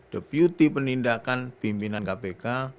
deputi penindakan pimpinan kpk